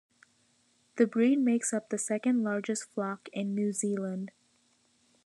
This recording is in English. The breed makes up the second largest flock in New Zealand.